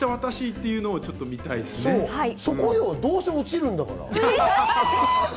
どうせ落ちるんだから。